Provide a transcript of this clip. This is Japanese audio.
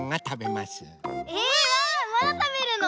まだたべるの？